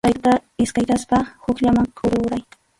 Qʼaytuta iskaychaspa hukllaman kururay.